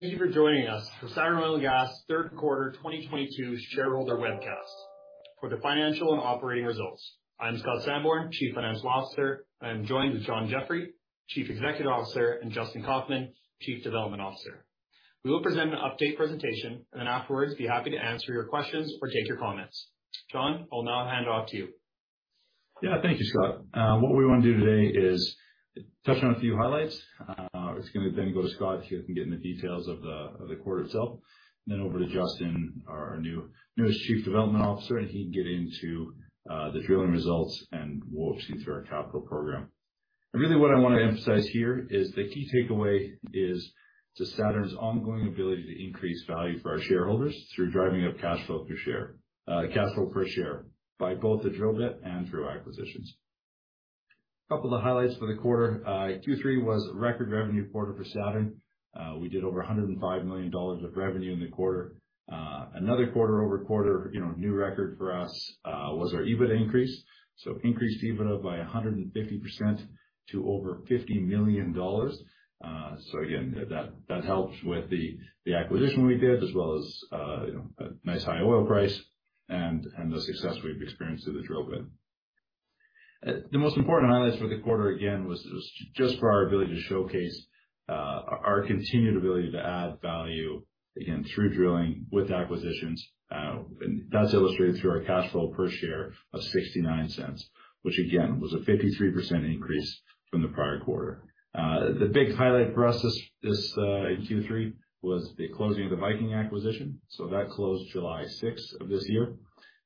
Thank you for joining us for Saturn Oil and Gas third quarter 2022 shareholder webcast for the financial and operating results. I'm Scott Sanborn, Chief Financial Officer, and I'm joined with John Jeffrey, Chief Executive Officer, and Justin Kaufmann, Chief Development Officer. We will present an update presentation and then afterwards, be happy to answer your questions or take your comments. John, I will now hand off to you. Thank you, Scott. What we want to do today is touch on a few highlights. It's going to then go to Scott so he can get in the details of the quarter itself, and then over to Justin, our new chief development officer, and he can get into the drilling results, and we'll walk you through our capital program. Really what I want to emphasize here is the key takeaway is to Saturn's ongoing ability to increase value for our shareholders through driving up cash flow per share by both the drill bit and through acquisitions. Couple of highlights for the quarter. Q3 was a record revenue quarter for Saturn. We did over 105 million dollars of revenue in the quarter. Another quarter-over-quarter, you know, new record for us was our EBIT increase. Increased EBITDA by 150% to over 50 million dollars. So again, that helps with the acquisition we did, as well as, you know, a nice high oil price and the success we've experienced through the drill bit. The most important highlight for the quarter, again, was just our ability to showcase our continued ability to add value, again, through drilling with acquisitions. And that's illustrated through our cash flow per share of 0.69, which again, was a 53% increase from the prior quarter. The big highlight for us this in Q3 was the closing of the Viking acquisition. That closed July 6 of this year.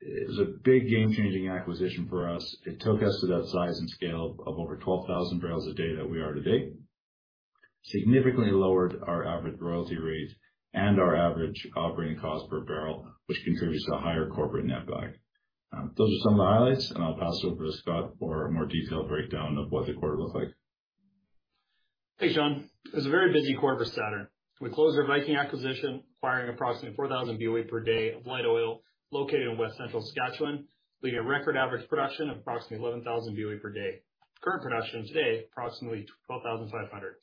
It was a big game-changing acquisition for us. It took us to that size and scale of over 12,000 barrels a day that we are today. Significantly lowered our average royalty rate and our average operating cost per barrel, which contributes to a higher corporate netback. Those are some of the highlights, and I'll pass over to Scott for a more detailed breakdown of what the quarter looked like. Thanks, John. It was a very busy quarter for Saturn. We closed our Viking acquisition, acquiring approximately 4,000 boe per day of light oil located in West Central Saskatchewan. We had a record average production of approximately 11,000 boe per day. Current production today, approximately 12,500.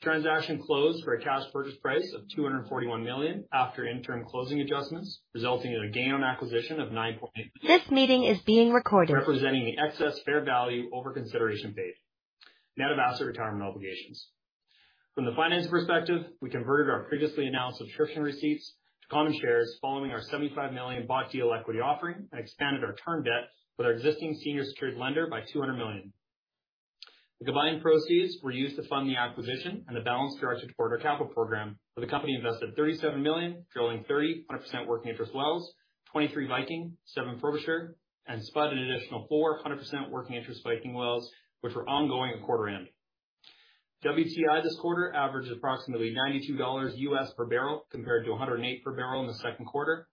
The transaction closed for a cash purchase price of 241 million after interim closing adjustments, resulting in a gain on acquisition of nine point- This meeting is being recorded. Representing the excess fair value over consideration paid. Net of asset retirement obligations. From the finance perspective, we converted our previously announced subscription receipts to common shares following our 75 million bought deal equity offering and expanded our term debt with our existing senior secured lender by 200 million. The combined proceeds were used to fund the acquisition and the balance directed toward our capital program, where the company invested 37 million, drilling 30 100% working interest wells, 23 Viking, 7 Frobisher, and spud an additional 4 100% working interest Viking wells, which were ongoing at quarter end. WTI this quarter averaged approximately $92 US per barrel compared to $108 per barrel in the second quarter.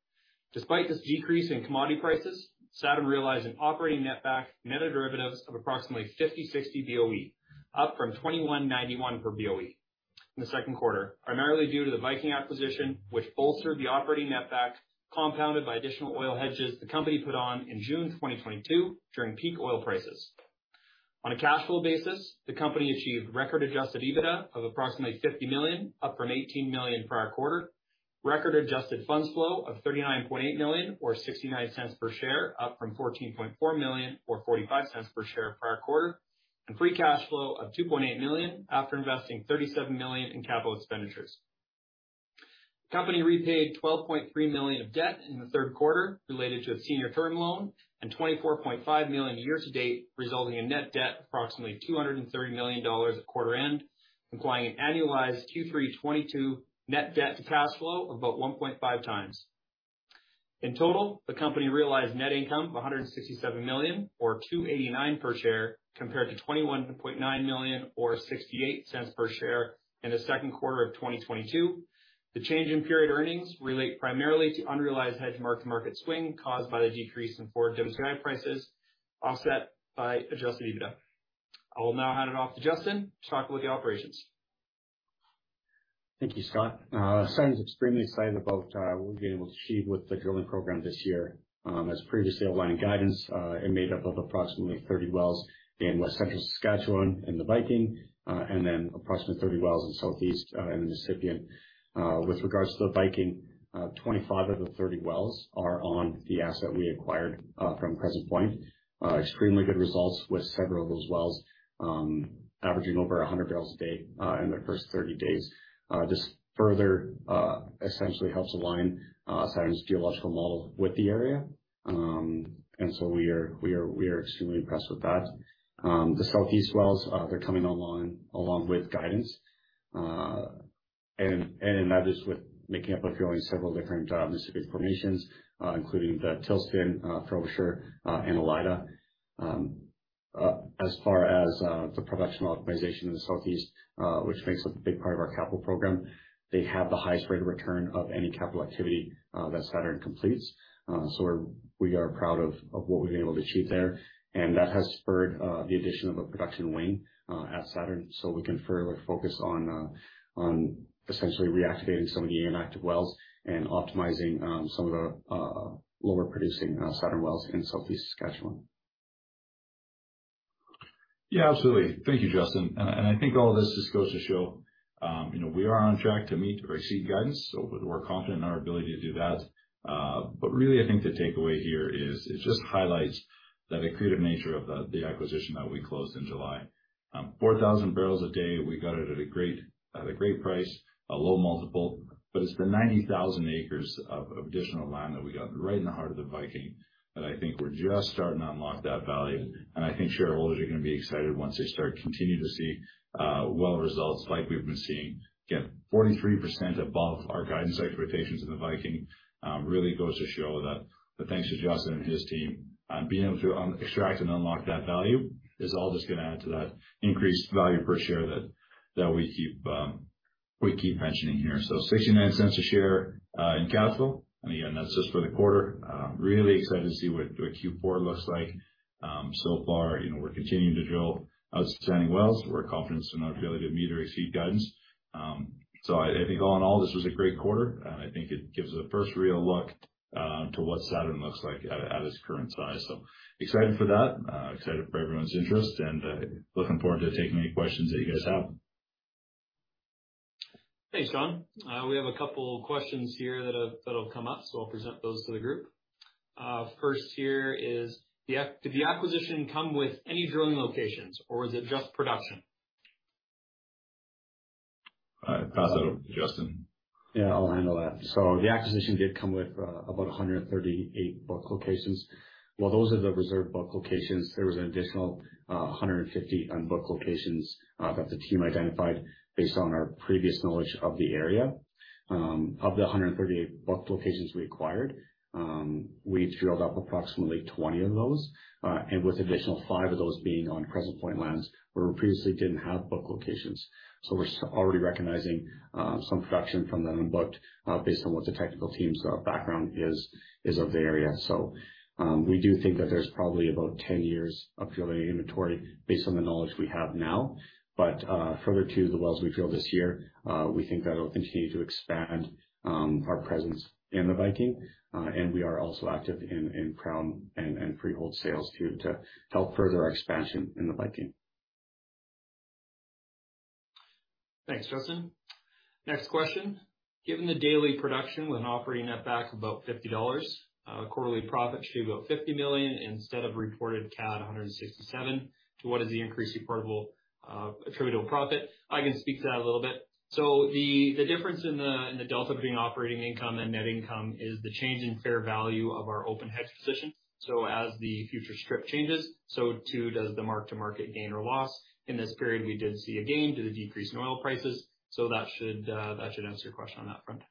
Despite this decrease in commodity prices, Saturn realized an operating netback net of derivatives of approximately 56/boe, up from 21.91/boe in the second quarter, primarily due to the Viking acquisition, which bolstered the operating netback, compounded by additional oil hedges the company put on in June 2022 during peak oil prices. On a cash flow basis, the company achieved record Adjusted EBITDA of approximately 50 million, up from 18 million prior quarter. Record Adjusted Funds Flow of 39.8 million or 0.69 per share, up from 14.4 million or 0.45 per share prior quarter. Free Cash Flow of 2.8 million after investing 37 million in capital expenditures. The company repaid 12.3 million of debt in the third quarter related to a senior term loan and 24.5 million year to date, resulting in net debt of approximately 230 million dollars at quarter end, implying an annualized Q3 2022 net debt to cash flow of about 1.5 times. In total, the company realized net income of 167 million or 2.89 per share, compared to 21.9 million or 0.68 per share in the second quarter of 2022. The change in period earnings relate primarily to unrealized hedge mark-to-market swing caused by the decrease in forward WTI prices, offset by adjusted EBITDA. I will now hand it off to Justin to talk about the operations. Thank you, Scott. Saturn's extremely excited about what we've been able to achieve with the drilling program this year. As previously outlined in guidance, it made up of approximately 30 wells in West Central Saskatchewan in the Viking, and then approximately 30 wells in Southeast in the Mississippian. With regards to the Viking, 25 of the 30 wells are on the asset we acquired from Crescent Point. Extremely good results with several of those wells averaging over 100 barrels a day in their first 30 days. This further essentially helps align Saturn's geological model with the area. We are extremely impressed with that. The Southeast wells, they're coming along along with guidance, and in that just with making up and drilling several different Mississippian formations, including the Tilston, Frobisher, and Alida. As far as the production optimization in the Southeast, which makes up a big part of our capital program, they have the highest rate of return of any capital activity that Saturn completes. We are proud of what we've been able to achieve there, and that has spurred the addition of a production wing at Saturn, so we can further focus on essentially reactivating some of the inactive wells and optimizing some of the lower producing Saturn wells in Southeast Saskatchewan. Yeah, absolutely. Thank you, Justin. I think all this just goes to show, you know, we are on track to meet or exceed guidance, so we're confident in our ability to do that. Really I think the takeaway here is it just highlights the accretive nature of the acquisition that we closed in July. 4,000 barrels a day, we got it at a great price, a low multiple, but it's the 90,000 acres of additional land that we got right in the heart of the Viking that I think we're just starting to unlock that value. I think shareholders are gonna be excited once they start continuing to see well results like we've been seeing. Again, 43% above our guidance expectations in the Viking, really goes to show that thanks to Justin and his team on being able to extract and unlock that value is all just gonna add to that increased value per share that we keep mentioning here. $0.69 a share in capital, and again, that's just for the quarter. Really excited to see what Q4 looks like. So far, you know, we're continuing to drill outstanding wells. We're confident in our ability to meet or exceed guidance. I think all in all, this was a great quarter, and I think it gives a first real look to what Saturn looks like at its current size. Excited for that. Excited for everyone's interest and looking forward to taking any questions that you guys have. Thanks, John Jeffrey. We have a couple questions here that have come up. I'll present those to the group. First here is did the acquisition come with any drilling locations, or was it just production? I'll pass that over to Justin. Yeah, I'll handle that. The acquisition did come with about 138 book locations. While those are the reserve book locations, there was an additional 150 unbooked locations that the team identified based on our previous knowledge of the area. Of the 138 booked locations we acquired, we drilled up approximately 20 of those, and with additional five of those being on Crescent Point lands where we previously didn't have book locations. We're already recognizing some production from the unbooked based on what the technical team's background is of the area. We do think that there's probably about 10 years of drilling inventory based on the knowledge we have now. Further to the wells we drill this year, we think that'll continue to expand our presence in the Viking. We are also active in Crown and freehold sales to help further our expansion in the Viking. Thanks, Justin. Next question. Given the daily production with an operating netback of about 50 dollars, quarterly profit should be about 50 million instead of reported CAD 167. What is the increased reportable, attributable profit? I can speak to that a little bit. The difference in the delta between operating income and net income is the change in fair value of our open hedge position. As the future strip changes, so too does the mark-to-market gain or loss. In this period, we did see a gain due to the decrease in oil prices. That should answer your question on that front.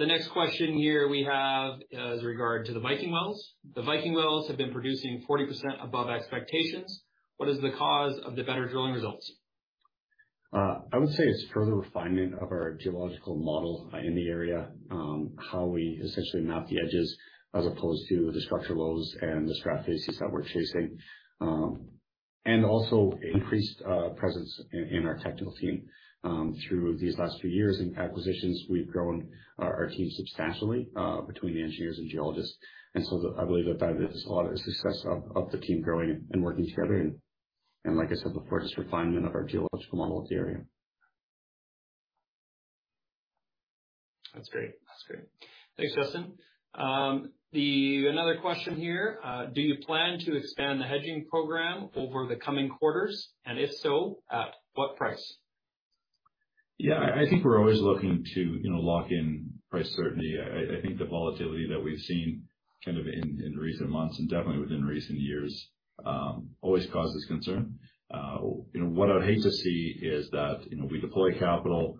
The next question here we have is regarding the Viking wells. The Viking wells have been producing 40% above expectations. What is the cause of the better drilling results? I would say it's further refinement of our geological model in the area, how we essentially map the edges as opposed to the structural lows and the strat facies that we're chasing. Also increased presence in our technical team. Through these last few years in acquisitions, we've grown our team substantially between the engineers and geologists. I believe that is a lot of the success of the team growing and working together and like I said before, just refinement of our geological model of the area. That's great. Thanks, Justin. Another question here. Do you plan to expand the hedging program over the coming quarters? If so, at what price? Yeah. I think we're always looking to, you know, lock in price certainty. I think the volatility that we've seen kind of in recent months and definitely within recent years always causes concern. You know, what I'd hate to see is that, you know, we deploy capital,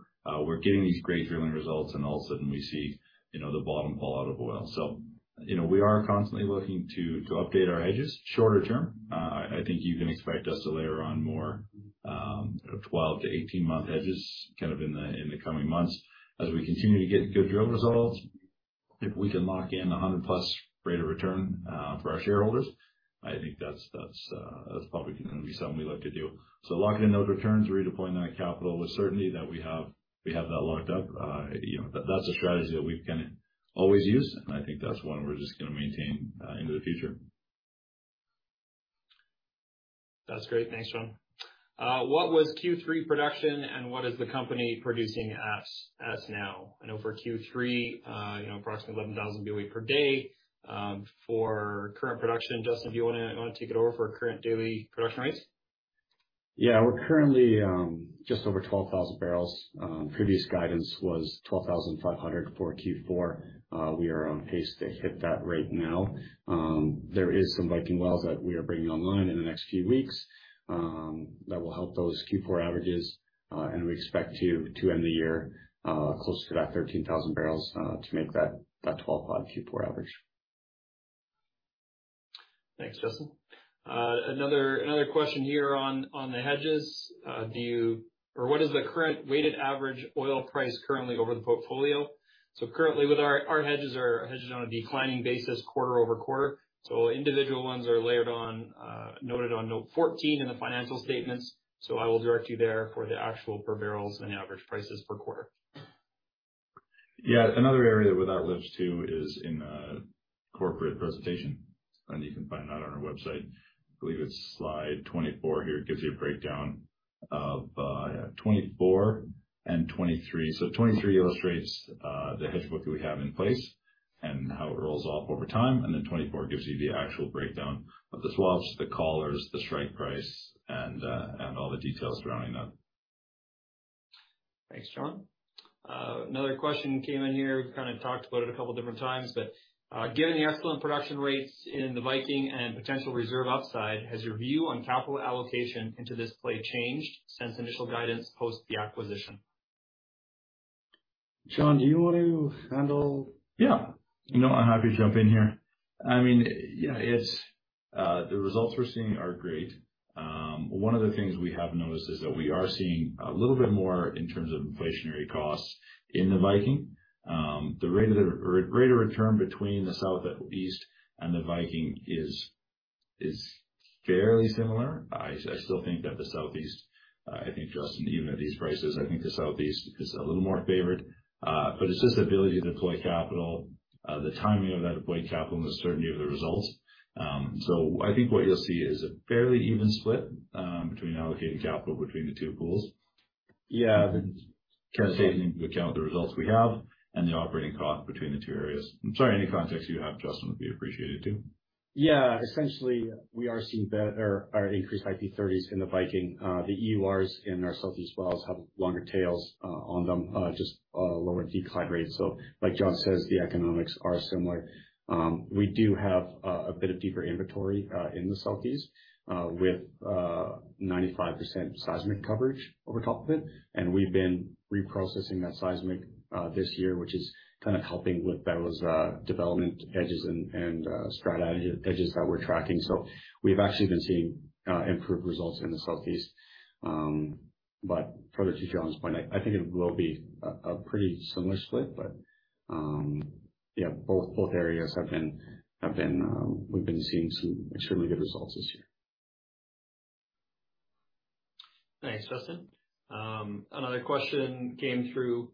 we're getting these great drilling results, and all of a sudden we see, you know, the bottom fall out of oil. You know, we are constantly looking to update our hedges shorter term. I think you can expect us to layer on more, you know, 12-18-month hedges kind of in the coming months as we continue to get good drill results. If we can lock in 100 plus rate of return for our shareholders, I think that's probably gonna be something we look to do. Locking in those returns, redeploying that capital with certainty that we have that locked up, you know, that's a strategy that we can always use, and I think that's one we're just gonna maintain into the future. That's great. Thanks, John. What was Q3 production, and what is the company producing as of now? I know for Q3, you know, approximately 11,000 boe per day. For current production, Justin Kaufmann, do you wanna take it over for current daily production rates? Yeah. We're currently just over 12,000 barrels. Previous guidance was 12,500 for Q4. We are on pace to hit that rate now. There is some Viking wells that we are bringing online in the next few weeks that will help those Q4 averages, and we expect to end the year closer to that 13,000 barrels to make that 12,000-odd Q4 average. Thanks, Justin. Another question here on the hedges. What is the current weighted average oil price currently over the portfolio? Currently with our hedges are hedged on a declining basis quarter-over-quarter. Individual ones are layered on, noted on note 14 in the financial statements. I will direct you there for the actual per barrels and average prices per quarter. Yeah. Another area that lives too is in corporate presentation, and you can find that on our website. I believe it's slide 24 here. It gives you a breakdown of 24 and 23. 23 illustrates the hedge book that we have in place and how it rolls off over time, and then 24 gives you the actual breakdown of the swaps, the collars, the strike price, and all the details surrounding them. Thanks, John. Another question came in here. We've kinda talked about it a couple different times, but, given the excellent production rates in the Viking and potential reserve upside, has your view on capital allocation into this play changed since initial guidance post the acquisition? John, do you want to handle? Yeah. No, I'm happy to jump in here. I mean, yeah, it's the results we're seeing are great. One of the things we have noticed is that we are seeing a little bit more in terms of inflationary costs in the Viking. The rate of return between the Southeast and the Viking is fairly similar. I still think that the Southeast, I think, Justin, even at these prices, I think the Southeast is a little more favored. But it's just the ability to deploy capital, the timing of that deployed capital and the certainty of the results. I think what you'll see is a fairly even split between allocating capital between the two pools. Yeah. Taking into account the results we have and the operating cost between the two areas. I'm sorry, any context you have, Justin, would be appreciated too. Yeah. Essentially, we are seeing better or increased IP30s in the Viking. The EURs in our Southeast wells have longer tails on them, just lower decline rates. Like John says, the economics are similar. We do have a bit of deeper inventory in the Southeast with 95% seismic coverage over top of it, and we've been reprocessing that seismic this year, which is kind of helping with those development edges and strat edges that we're tracking. We've actually been seeing improved results in the Southeast. Further to John's point, I think it will be a pretty similar split. Yeah, both areas have been seeing some extremely good results this year. Thanks, Justin. Another question came through.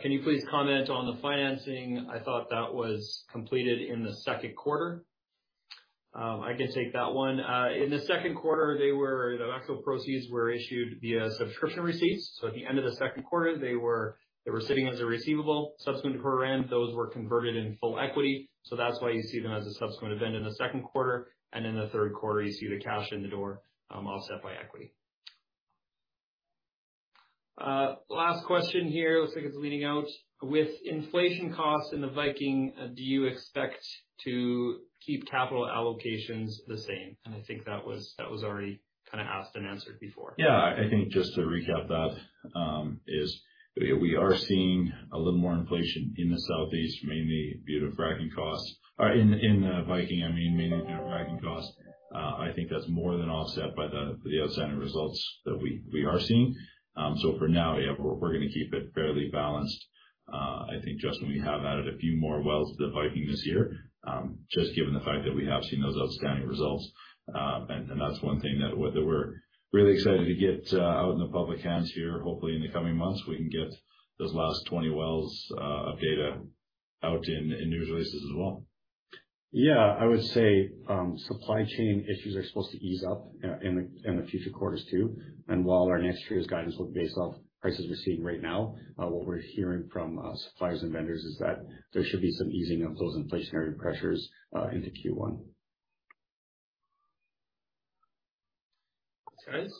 Can you please comment on the financing? I thought that was completed in the second quarter. I can take that one. In the second quarter, the actual proceeds were issued via Subscription Receipts. At the end of the second quarter, they were sitting as a receivable. Subsequent to quarter, those were converted into full equity. That's why you see them as a subsequent event in the second quarter, and in the third quarter, you see the cash in the door, offset by equity. Last question here. Looks like it's leading out. With inflation costs in the Viking, do you expect to keep capital allocations the same? I think that was already kinda asked and answered before. Yeah. I think just to recap that, is we are seeing a little more inflation in the Southeast, mainly due to fracking costs. In the Viking, I mean, mainly due to fracking costs. I think that's more than offset by the outstanding results that we are seeing. For now, yeah, we're gonna keep it fairly balanced. I think, Justin, we have added a few more wells to the Viking this year, just given the fact that we have seen those outstanding results. That's one thing that we're really excited to get out in the public hands here. Hopefully, in the coming months, we can get those last 20 wells of data out in news releases as well. Yeah. I would say supply chain issues are supposed to ease up in the future quarters too. While our next quarter's guidance will be based off prices we're seeing right now, what we're hearing from suppliers and vendors is that there should be some easing of those inflationary pressures into Q1. Thanks, guys.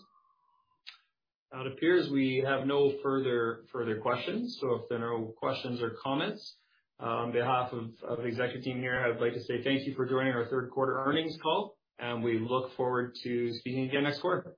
It appears we have no further questions. If there are no questions or comments, on behalf of the executive team here, I'd like to say thank you for joining our third quarter earnings call, and we look forward to speaking again next quarter.